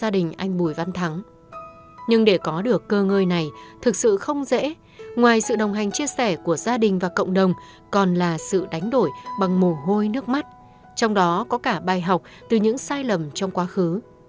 để có được cơ ngơi này thực sự không dễ ngoài sự đồng hành chia sẻ của gia đình và cộng đồng còn là sự đánh đổi bằng mồ hôi nước mắt trong đó có cả bài học từ những sai lầm trong quá khứ